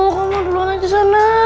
kamu duluan aja sana